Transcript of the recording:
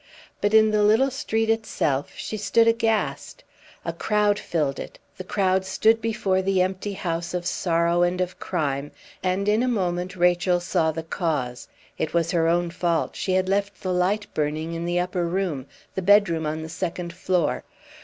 But in the little street itself she stood aghast. A crowd filled it; the crowd stood before the empty house of sorrow and of crime; and in a moment Rachel saw the cause. It was her own fault. She had left the light burning in the upper room, the bedroom on the second floor.